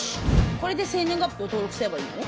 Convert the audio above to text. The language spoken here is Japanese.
これで生年月日を登録すればいいの？